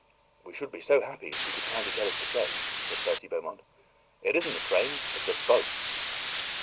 "We should be so happy, if you would kindly tell us the train," said Percy Beaumont. "It isn't a train it's a boat."